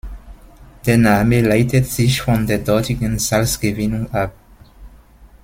Der Name leitet sich von der dortigen Salzgewinnung ab.